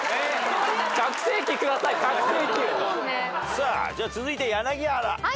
さあじゃあ続いて柳原。